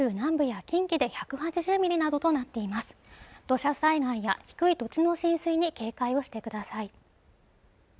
土砂災害や低い土地の浸水に警戒をしてください